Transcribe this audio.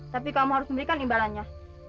tapi kamu harus memberikan imbalannya